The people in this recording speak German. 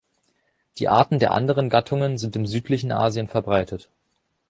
Die Arten der anderen Gattungen sind im südlichen Asien verbreitet.